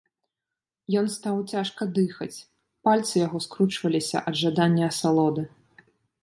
Ён стаў цяжка дыхаць, пальцы яго скручваліся ад жадання асалоды.